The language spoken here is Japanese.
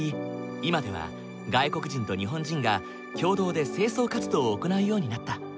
今では外国人と日本人が共同で清掃活動を行うようになった。